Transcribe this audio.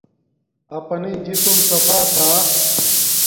اپنݵ جسم صفا تھا